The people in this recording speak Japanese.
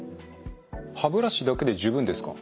歯ブラシだけで十分ですか？